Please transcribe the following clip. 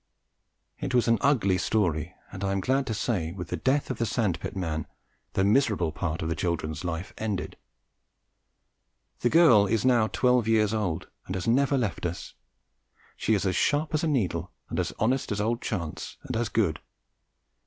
It was an ugly story, and I am glad to say with the death of the sand pit man the miserable part of the children's life ended. The girl is now twelve years old and has never left us. She is as sharp as a needle and as honest as old Chance and as good.